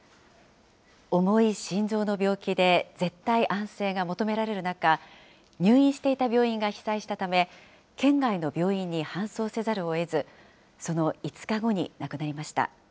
重い心臓の病気で絶対安静が求められる中、入院していた病院が被災したため、県外の病院に搬送せざるをえず、その５日後に亡くなりました。